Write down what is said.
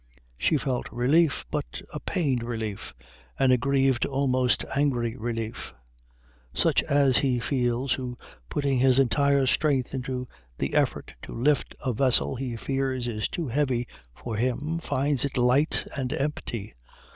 She felt relief, but a pained relief; an aggrieved, almost angry relief; such as he feels who putting his entire strength into the effort to lift a vessel he fears is too heavy for him finds it light and empty.